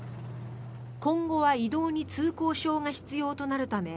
今後は移動に通行証が必要となるため